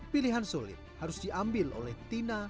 pilihan sulit harus diambil oleh tina